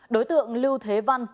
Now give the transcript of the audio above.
đối tượng lưu thế văn